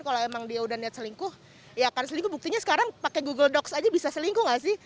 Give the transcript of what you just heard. kalau emang dia udah niat selingkuh ya kan selingkuh buktinya sekarang pakai google dox aja bisa selingkuh gak sih